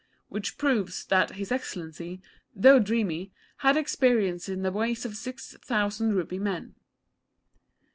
Which proves that His Excellency, though dreamy, had experience of the ways of six thousand rupee men.